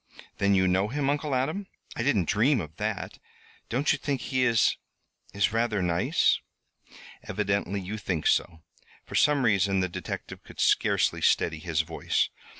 Then you know him, Uncle Adam? I didn't dream of that. Don't you think he is is rather nice?" "Evidently you think so." For some reason the detective could scarcely steady his voice.